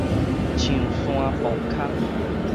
象山磅空